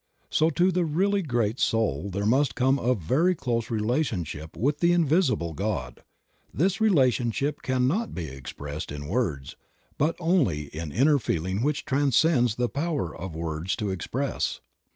So to the really great soul there must come a very close relationship with the Invisible God ; this relationship cannot be expressed in words but only in inner feeling which transcends the Creative Mind. 29 power of words to express.